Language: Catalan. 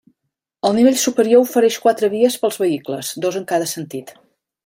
El nivell superior ofereix quatre vies per als vehicles, dos en cada sentit.